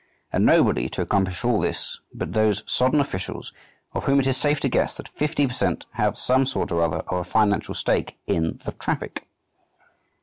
And nobody to accomplish all this but those sodden officials, of whom it is safe to guess that fifty per cent have some sort or other of a financial stake in the traffic!